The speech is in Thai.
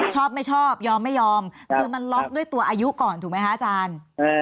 ชอบไม่ชอบยอมไม่ยอมคือมันล็อกด้วยตัวอายุก่อนถูกไหมคะอาจารย์